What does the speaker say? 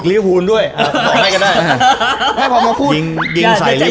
นี่พืชนัดต่อมาสิ